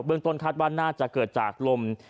เบื้องต้นคาดว่าน่าจะเกิดจากลม